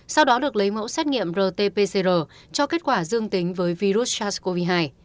sau đó được lấy mẫu xét nghiệm rt pcr cho kết quả dương tính với virus sars cov hai